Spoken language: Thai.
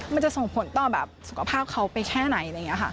มันจะส่งผลต่อสุขภาพเขาไปแค่ไหน